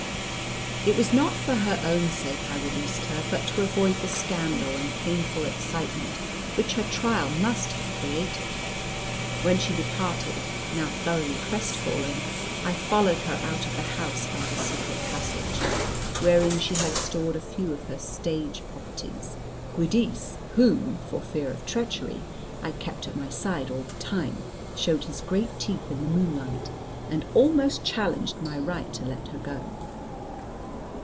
It was not for her own sake I released her, but to avoid the scandal and painful excitement which her trial must have created. When she departed, now thoroughly crestfallen, I followed her out of the house by the secret passage, wherein she had stored a few of her stage properties. Giudice, whom, for fear of treachery, I kept at my side all the time, showed his great teeth in the moonlight, and almost challenged my right to let her go.